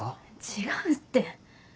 違うって。